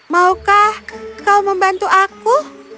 maukah kau membantu aku